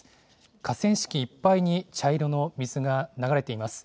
河川敷いっぱいに茶色の水が流れています。